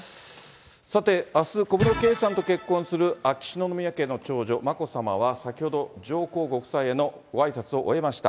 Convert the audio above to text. さて、あす、小室圭さんと結婚する秋篠宮家の長女、眞子さまは、先ほど、上皇ご夫妻へのごあいさつを終えました。